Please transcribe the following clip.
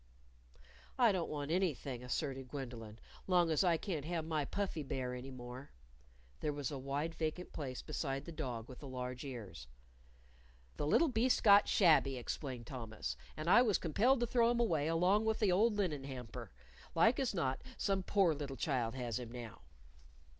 "I don't want anything," asserted Gwendolyn, " long as I can't have my Puffy Bear any more." There was a wide vacant place beside the dog with the large ears. "The little beast got shabby," explained Thomas, "and I was compelled to throw him away along with the old linen hamper. Like as not some poor little child has him now."